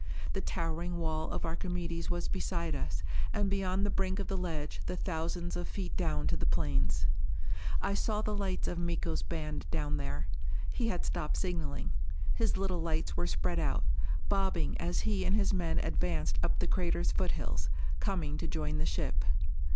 The towering wall of Archimedes was beside us; and beyond the brink of the ledge the thousands of feet down to the plains. I saw the lights of Miko's band down there. He had stopped signaling. His little lights were spread out, bobbing as he and his men advanced up the crater's foothills, coming to join the ship.